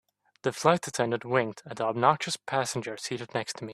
The flight attendant winked at the obnoxious passenger seated next to me.